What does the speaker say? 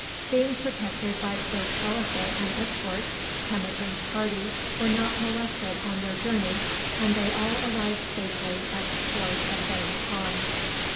Being protected by so powerful an escort, Temujin's party were not molested on their journey, and they all arrived safely at the court of Vang Khan.